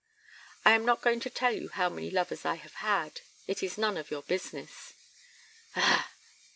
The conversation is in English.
"I am not going to tell you how many lovers I have had. It is none of your business " "Ah!"